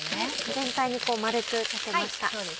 全体に丸くかけました。